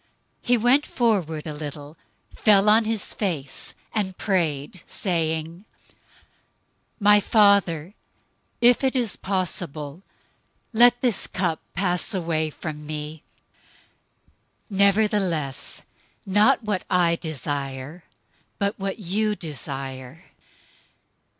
026:039 He went forward a little, fell on his face, and prayed, saying, "My Father, if it is possible, let this cup pass away from me; nevertheless, not what I desire, but what you desire."